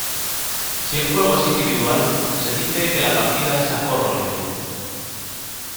Si el juego es individual se dice que la partida es a corro libre.